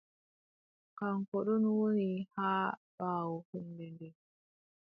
Kaŋko ɗon woni haa ɓaawo hunnde nde.